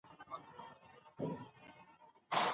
که انلاین سیستم خوندي وي، اندېښنه نه پیدا کيږي.